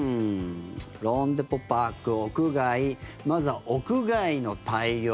ローンデポ・パーク、屋外まずは屋外の対応。